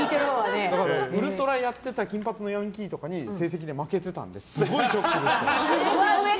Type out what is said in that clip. ウルトラやってた金髪のヤンキーとかに成績で負けてたのですごいショックでした。